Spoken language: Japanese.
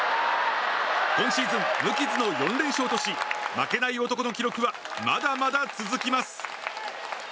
今シーズン無傷の４連勝とし負けない男の記録はまだまだ続きます。